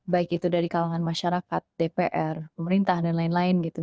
baik itu dari kalangan masyarakat dpr pemerintah dan lain lain gitu